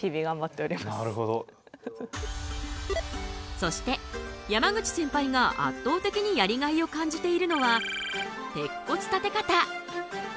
そして山口センパイが圧倒的にやりがいを感じているのは鉄骨建方。